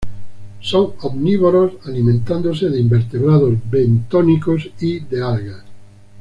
Son omnívoros, alimentándose de invertebrados bentónicos y de algas.